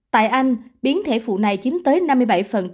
tại anh biến thể phụ này chiếm tới năm mươi bảy